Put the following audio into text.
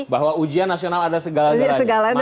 bahwa ujian nasional ada segala deraja